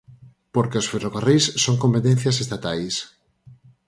Porque os ferrocarrís son competencias estatais.